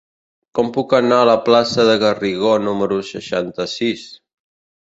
Com puc anar a la plaça de Garrigó número seixanta-sis?